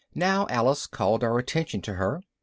Now Alice called our attention to her.